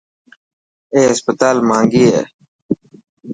اي هسپتال ماهنگي هي.